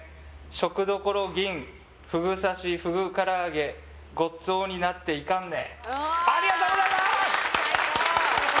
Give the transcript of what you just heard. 「食処ぎんふぐ刺しふぐから揚げ」「ごっつおになっていかんね！」